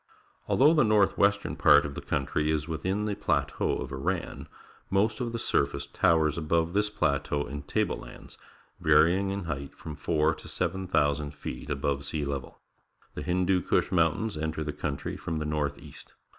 — Although the north western part of the country is witliin the Plateau of Iran, most of the surface towers above this plateau in table lands, varying in height from four to seven thousand feet above sea level. The Hindu Kush Moun tains enter the country from the north east.